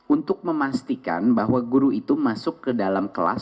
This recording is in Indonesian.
untuk memastikan bahwa guru itu masuk ke dalam kelas